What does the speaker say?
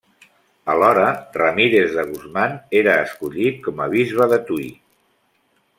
Alhora Ramírez de Guzmán era escollit com a bisbe de Tui.